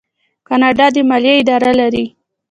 کاناډا د مالیې اداره لري.